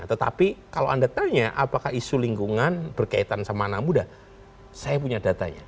tetapi kalau anda tanya apakah isu lingkungan berkaitan sama anak muda saya punya datanya